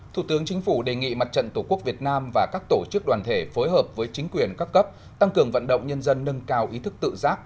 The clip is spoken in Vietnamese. thủ tướng chính phủ đề nghị mặt trận tổ quốc việt nam và các tổ chức đoàn thể phối hợp với chính quyền các cấp tăng cường vận động nhân dân nâng cao ý thức tự giác